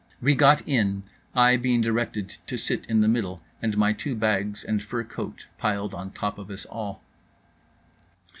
We got in; I being directed to sit in the middle, and my two bags and fur coat piled on top of us all.